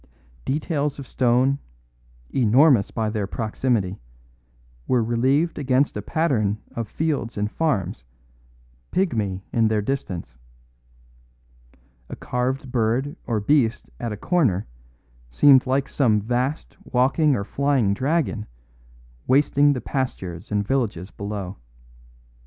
Details of stone, enormous by their proximity, were relieved against a pattern of fields and farms, pygmy in their distance. A carved bird or beast at a corner seemed like some vast walking or flying dragon wasting the pastures and villages below.